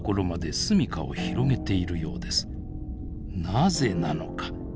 なぜなのか？